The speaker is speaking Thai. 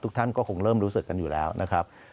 ท่านก็คงเริ่มรู้สึกกันอยู่แล้วนะครับ